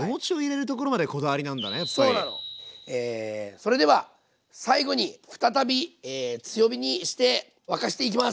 それでは最後に再び強火にして沸かしていきます。